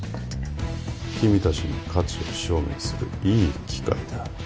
君たちの価値を証明するいい機会だ。